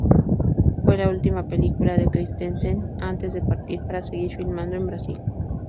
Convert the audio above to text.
Fue la última película de Christensen antes de partir para seguir filmando en Brasil.